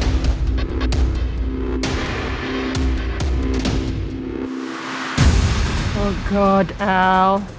oh tuhan al